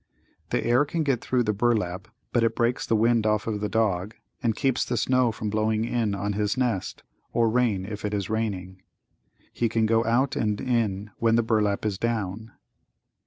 The air can get thru the burlap but it breaks the wind off of the dog and keeps the snow from blowing in on his nest, or rain if it is raining. He can go out and in when the burlap is down.